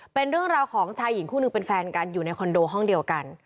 เป็นเรื่องราวของชายหญิงคู่หนึ่งเป็นแฟนกันอยู่ในคอนโดห้องเดียวกัน